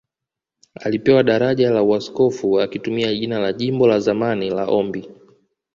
Alipewa daraja la Uaskofu akitumia jina la jimbo la zamani la Ombi